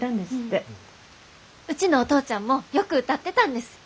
うちのお父ちゃんもよく歌ってたんです。